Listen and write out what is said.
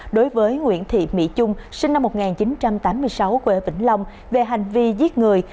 đối với nguyễn thị mỹ dung sinh năm một nghìn chín trăm tám mươi sáu quê ở vĩnh long về hành vi giết người